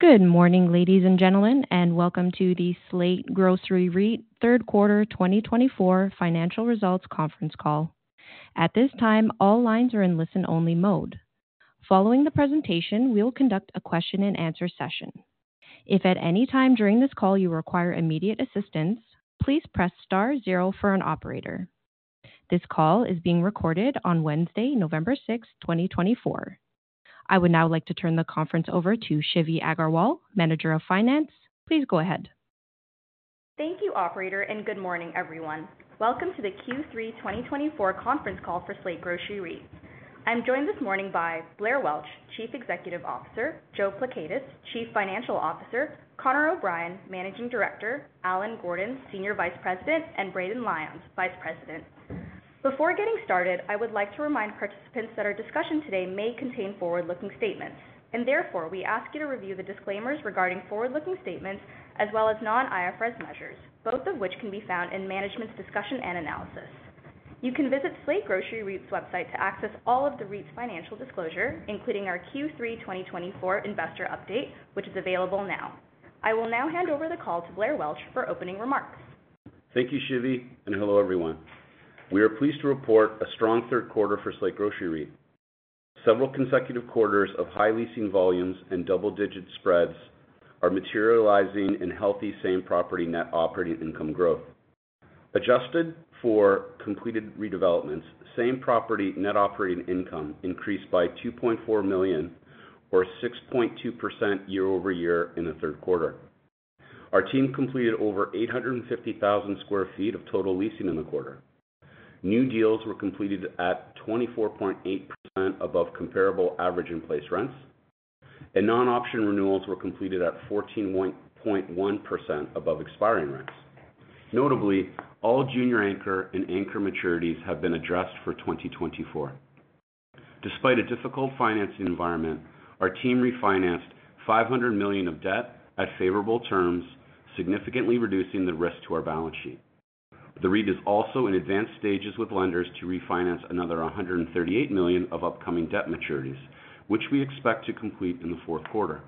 Good morning, ladies and gentlemen, and welcome to the Slate Grocery REIT Q3 2024 financial results conference call. At this time, all lines are in listen-only mode. Following the presentation, we'll conduct a question-and-answer session. If at any time during this call you require immediate assistance, please press star zero for an operator. This call is being recorded on Wednesday, November 6, 2024. I would now like to turn the conference over to Shivi Agarwal, Manager of Finance. Please go ahead. Thank you, Operator, and good morning, everyone. Welcome to the Q3 2024 conference call for Slate Grocery REIT. I'm joined this morning by Blair Welch, Chief Executive Officer, Joe Pleckaitis, Chief Financial Officer, Connor O'Brien, Managing Director, Allen Gordon, Senior Vice President, and Braden Lyons, Vice President. Before getting started, I would like to remind participants that our discussion today may contain forward-looking statements, and therefore we ask you to review the disclaimers regarding forward-looking statements as well as non-IFRS measures, both of which can be found in management's discussion and analysis. You can visit Slate Grocery REIT's website to access all of the REIT's financial disclosure, including our Q3 2024 investor update, which is available now. I will now hand over the call to Blair Welch for opening remarks. Thank you, Shivi, and hello, everyone. We are pleased to report a strong Q3 for Slate Grocery REIT. Several consecutive quarters of high leasing volumes and double-digit spreads are materializing in healthy same-property net operating income growth. Adjusted for completed redevelopments, same-property net operating income increased by $2.4 million, or 6.2% year-over-year, in Q3. Our team completed over 850,000 sq ft of total leasing in the quarter. New deals were completed at 24.8% above comparable average-in-place rents, and non-option renewals were completed at 14.1% above expiring rents. Notably, all junior anchor and anchor maturities have been addressed for 2024. Despite a difficult financing environment, our team refinanced $500 million of debt at favorable terms, significantly reducing the risk to our balance sheet. The REIT is also in advanced stages with lenders to refinance another $138 million of upcoming debt maturities, which we expect to complete in Q4.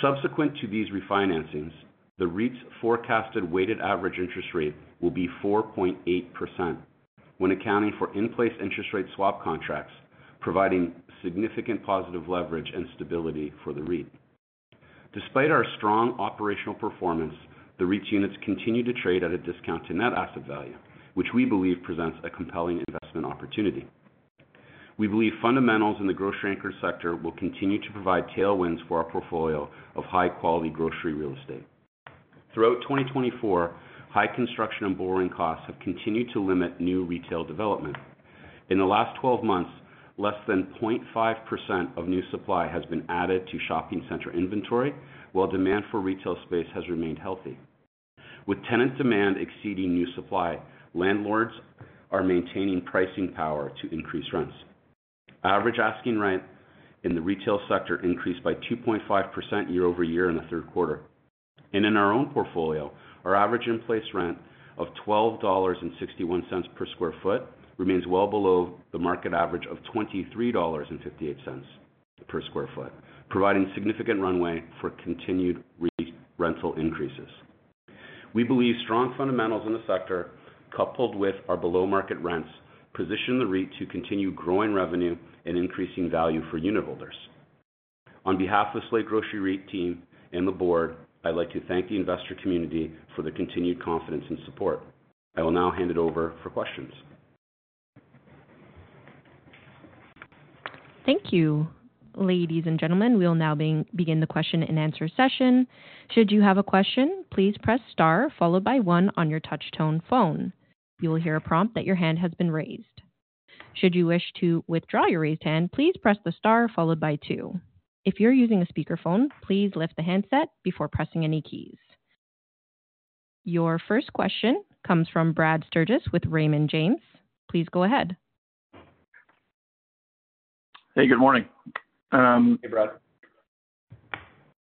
Subsequent to these refinancings, the REIT's forecasted weighted average interest rate will be 4.8% when accounting for in-place interest rate swap contracts, providing significant positive leverage and stability for the REIT. Despite our strong operational performance, the REIT's units continue to trade at a discount to net asset value, which we believe presents a compelling investment opportunity. We believe fundamentals in the grocery anchor sector will continue to provide tailwinds for our portfolio of high-quality grocery real estate. Throughout 2024, high construction and borrowing costs have continued to limit new retail development. In the last 12 months, less than 0.5% of new supply has been added to shopping center inventory, while demand for retail space has remained healthy. With tenant demand exceeding new supply, landlords are maintaining pricing power to increase rents. Average asking rent in the retail sector increased by 2.5% year-over-year in Q3. And in our own portfolio, our average in-place rent of $12.61 per sq ft remains well below the market average of $23.58 per sq ft, providing significant runway for continued rental increases. We believe strong fundamentals in the sector, coupled with our below-market rents, position the REIT to continue growing revenue and increasing value for unit holders. On behalf of the Slate Grocery REIT team and the board, I'd like to thank the investor community for their continued confidence and support. I will now hand it over for questions. Thank you, ladies and gentlemen. We will now begin the question-and-answer session. Should you have a question, please press star followed by one on your touch-tone phone. You will hear a prompt that your hand has been raised. Should you wish to withdraw your raised hand, please press the star followed by two. If you're using a speakerphone, please lift the handset before pressing any keys. Your first question comes from Brad Sturges with Raymond James. Please go ahead. Hey, good morning. Hey, Brad.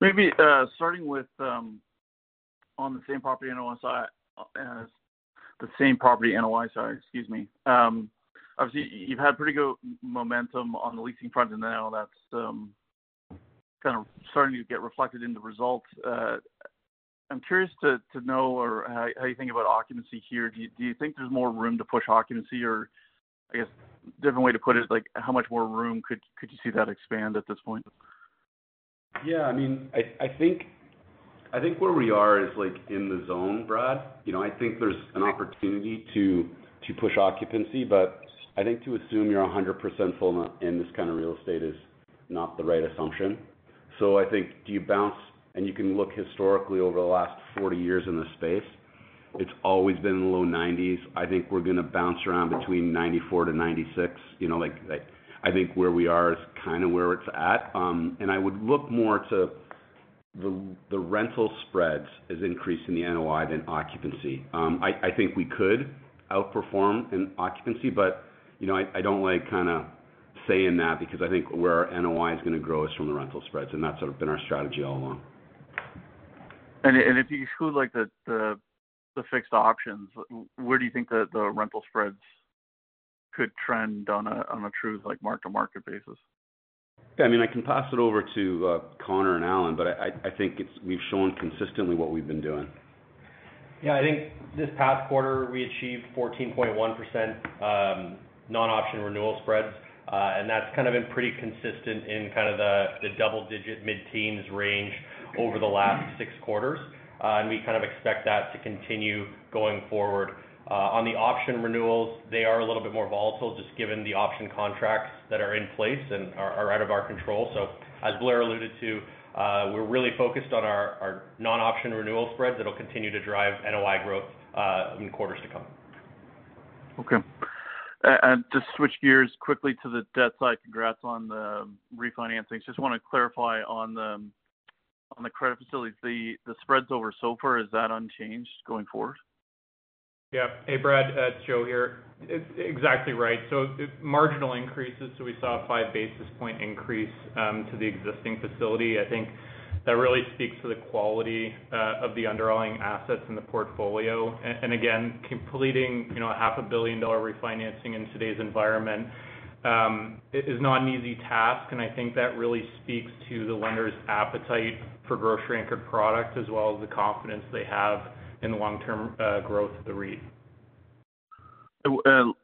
Maybe starting with on the same property NOI side, excuse me. Obviously, you've had pretty good momentum on the leasing front, and now that's kind of starting to get reflected in the results. I'm curious to know how you think about occupancy here. Do you think there's more room to push occupancy? Or I guess a different way to put it, how much more room could you see that expand at this point? Yeah, I mean, I think where we are is in the zone, Brad. I think there's an opportunity to push occupancy, but I think to assume you're 100% full in this kind of real estate is not the right assumption. So I think you do bounce, and you can look historically over the last 40 years in this space, it's always been in the low 90s%. I think we're going to bounce around between 94% to 96%. I think where we are is kind of where it's at. And I would look more to the rental spreads as increasing the NOI than occupancy. I think we could outperform in occupancy, but I don't like kind of saying that because I think where our NOI is going to grow is from the rental spreads, and that's been our strategy all along. If you could include the fixed options, where do you think the rental spreads could trend on a true mark-to-market basis? I mean, I can pass it over to Connor and Allen, but I think we've shown consistently what we've been doing. Yeah, I think this past quarter, we achieved 14.1% non-option renewal spreads, and that's kind of been pretty consistent in kind of the double-digit mid-teens range over the last six quarters. And we kind of expect that to continue going forward. On the option renewals, they are a little bit more volatile just given the option contracts that are in place and are out of our control. So as Blair alluded to, we're really focused on our non-option renewal spreads that'll continue to drive NOI growth in quarters to come. Okay. And to switch gears quickly to the debt side, congrats on the refinancing. Just want to clarify on the credit facilities. The spreads over SOFR, is that unchanged going forward? Yeah. Hey, Brad, it's Joe here. Exactly right. So marginal increases, so we saw a five basis point increase to the existing facility. I think that really speaks to the quality of the underlying assets in the portfolio. And again, completing a $500 million refinancing in today's environment is not an easy task, and I think that really speaks to the lender's appetite for grocery-anchored product as well as the confidence they have in the long-term growth of the REIT.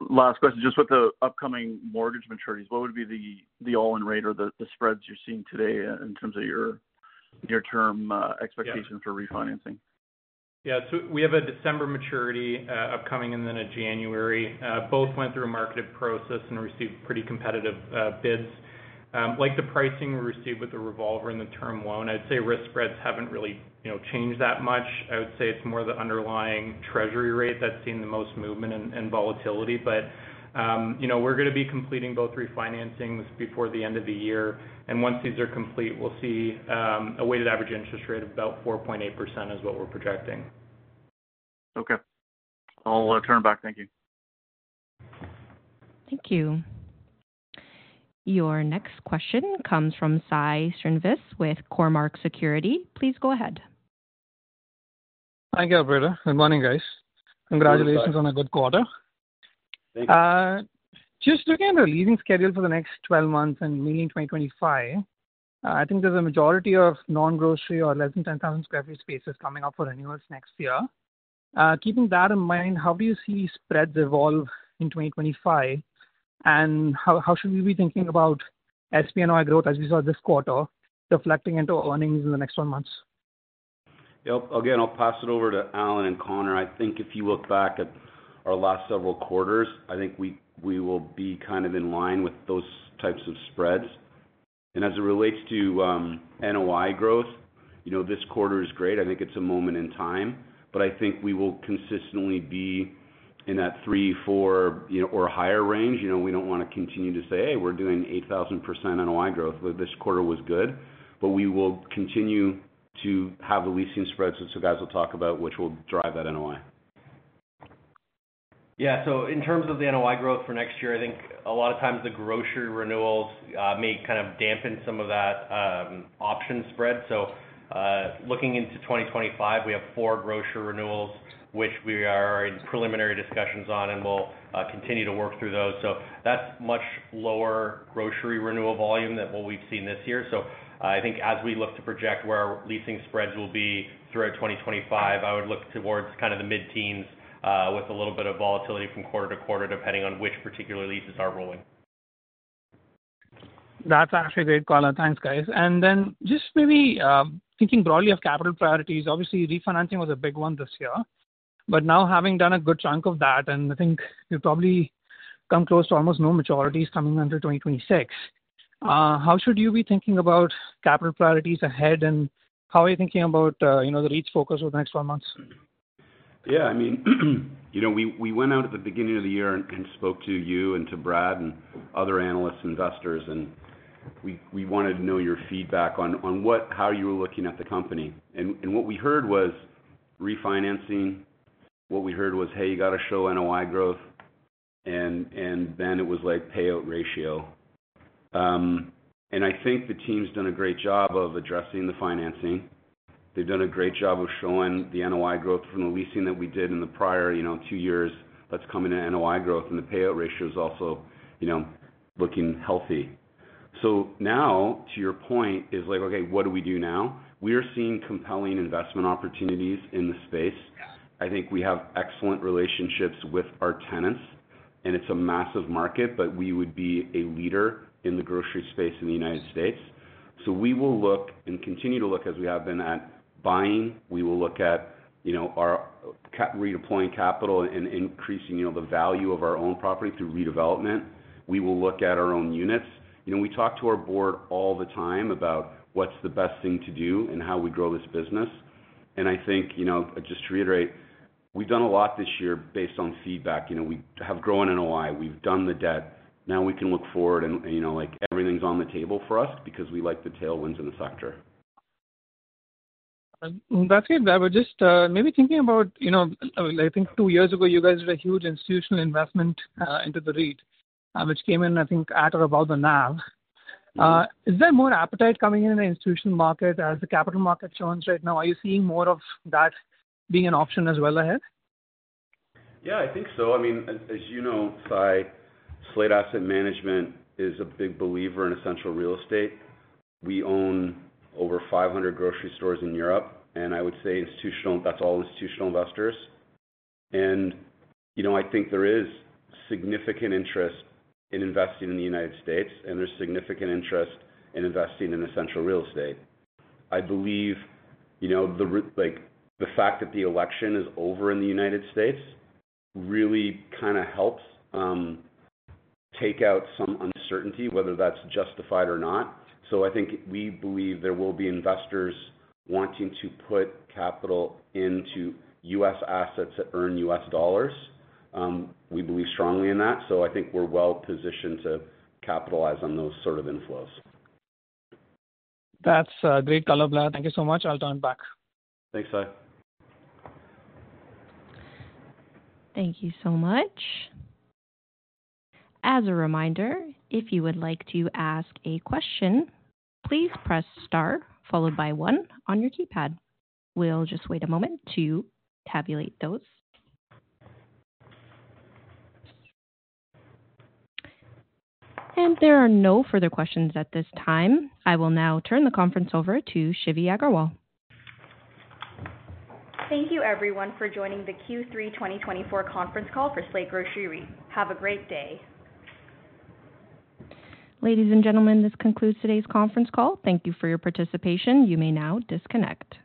Last question, just with the upcoming mortgage maturities, what would be the all-in rate or the spreads you're seeing today in terms of your near-term expectations for refinancing? Yeah, so we have a December maturity upcoming and then a January. Both went through a marketed process and received pretty competitive bids. Like the pricing we received with the revolver and the term loan, I'd say risk spreads haven't really changed that much. I would say it's more the underlying treasury rate that's seen the most movement and volatility. But we're going to be completing both refinancings before the end of the year. And once these are complete, we'll see a weighted average interest rate of about 4.8% is what we're projecting. Okay. I'll turn it back. Thank you. Thank you. Your next question comes from Sairam Srinivas with Cormark Securities. Please go ahead. Hi, Blair. Good morning, guys. Congratulations on a good quarter. Thanks. Just looking at the leasing schedule for the next 12 months and mainly in 2025, I think there's a majority of non-grocery or less than 10,000 sq ft spaces coming up for renewals next year. Keeping that in mind, how do you see spreads evolve in 2025? And how should we be thinking about SPNOI growth as we saw this quarter reflecting into earnings in the next 12 months? Yep. Again, I'll pass it over to Allen and Connor. I think if you look back at our last several quarters, I think we will be kind of in line with those types of spreads. And as it relates to NOI growth, this quarter is great. I think it's a moment in time. But I think we will consistently be in that three, four, or higher range. We don't want to continue to say, "Hey, we're doing 8,000% NOI growth. This quarter was good." But we will continue to have the leasing spreads that you guys will talk about, which will drive that NOI. Yeah, so in terms of the NOI growth for next year, I think a lot of times the grocery renewals may kind of dampen some of that option spread. So looking into 2025, we have four grocery renewals, which we are in preliminary discussions on, and we'll continue to work through those. So that's much lower grocery renewal volume than what we've seen this year. So I think as we look to project where our leasing spreads will be throughout 2025, I would look towards kind of the mid-teens with a little bit of volatility from quarter to quarter, depending on which particular leases are rolling. That's actually a great call. Thanks, guys. And then just maybe thinking broadly of capital priorities, obviously refinancing was a big one this year. But now having done a good chunk of that, and I think we've probably come close to almost no maturities coming into 2026, how should you be thinking about capital priorities ahead and how are you thinking about the REIT's focus over the next 12 months? Yeah, I mean, we went out at the beginning of the year and spoke to you and to Brad and other analysts, investors, and we wanted to know your feedback on how you were looking at the company. And what we heard was refinancing. What we heard was, "Hey, you got to show NOI growth." And then it was like payout ratio. And I think the team's done a great job of addressing the financing. They've done a great job of showing the NOI growth from the leasing that we did in the prior two years that's coming in NOI growth, and the payout ratio is also looking healthy. So now, to your point, it's like, "Okay, what do we do now?" We are seeing compelling investment opportunities in the space. I think we have excellent relationships with our tenants, and it's a massive market, but we would be a leader in the grocery space in the United States. So we will look and continue to look as we have been at buying. We will look at redeploying capital and increasing the value of our own property through redevelopment. We will look at our own units. We talk to our board all the time about what's the best thing to do and how we grow this business. And I think, just to reiterate, we've done a lot this year based on feedback. We have grown NOI. We've done the debt. Now we can look forward, and everything's on the table for us because we like the tailwinds in the sector. That's good. I was just maybe thinking about, I think two years ago, you guys did a huge institutional investment into the REIT, which came in, I think, at or about the NAV. Is there more appetite coming in in the institutional market as the capital market turns right now? Are you seeing more of that being an option as well ahead? Yeah, I think so. I mean, as you know, Slate Asset Management is a big believer in essential real estate. We own over 500 grocery stores in Europe, and I would say that's all institutional investors. And I think there is significant interest in investing in the United States, and there's significant interest in investing in essential real estate. I believe the fact that the election is over in the United States really kind of helps take out some uncertainty, whether that's justified or not. So I think we believe there will be investors wanting to put capital into US assets that earn US dollars. We believe strongly in that. So I think we're well positioned to capitalize on those sort of inflows. That's a great call, Blair. Thank you so much. I'll turn it back. Thanks, Sy. Thank you so much. As a reminder, if you would like to ask a question, please press star followed by one on your keypad. We'll just wait a moment to tabulate those. There are no further questions at this time. I will now turn the conference over to Shivi Agarwal. Thank you, everyone, for joining the Q3 2024 conference call for Slate Grocery REIT. Have a great day. Ladies and gentlemen, this concludes today's conference call. Thank you for your participation. You may now disconnect.